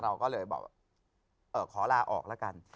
เราก็เลยบอกขอลาออกแล้วกัน